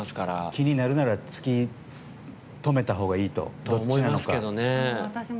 気になるなら突き止めたほうがいいと。と、思います。